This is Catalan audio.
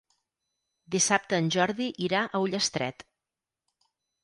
Dissabte en Jordi irà a Ullastret.